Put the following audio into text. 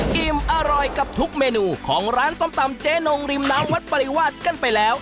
อิ่มอร่อยกับทุกเมนูของร้านส้มตำเจ๊นงริมน้ำวัดปริวาสกันไปแล้ว